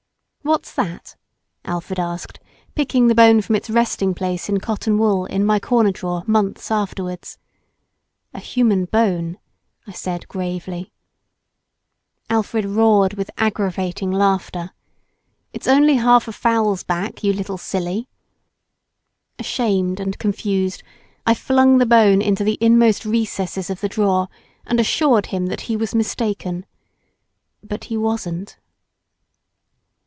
"What's that?" Alfred asked picking the bone from its resting place in cotton wool in my corner drawer months afterwards. "A human bone," I said gravely. Alfred roared with aggravating laughter. "It's only half a fowl's back—you little silly." Ashamed and confused I flung the bone into the inmost recesses of the drawer, and assured him that he was mistaken. But he wasn't.